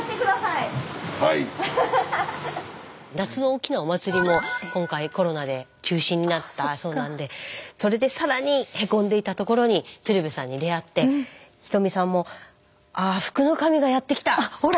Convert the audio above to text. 夏の大きなお祭りも今回コロナで中止になったそうなんでそれで更にへこんでいたところに鶴瓶さんに出会ってひとみさんも「ああ」あっほら！